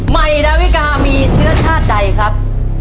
ใหม่ดาวิกามีเชื้อชาติใดครับ